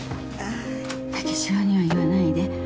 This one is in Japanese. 武四郎には言わないで